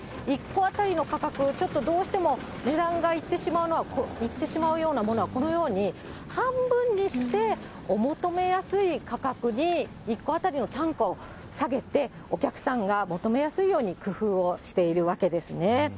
１個当たりの価格をちょっと、どうしても値段がいってしまうようなものは、このように半分にして、お求めやすい価格に、１個当たりの単価を下げて、お客さんが求めやすいように工夫をしているわけですね。